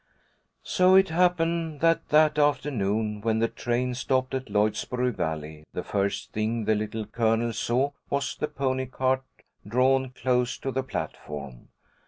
So it happened that that afternoon, when the train stopped at Lloydsboro Valley, the first thing the Little Colonel saw was the pony cart drawn close to the platform.